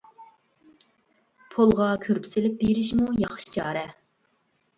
پولغا كۆرپە سېلىپ بېرىشمۇ ياخشى چارە.